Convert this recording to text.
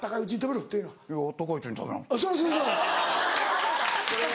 そうそうそう。